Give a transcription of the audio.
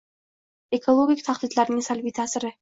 Ekologik tahdidlarning salbiy ta’siring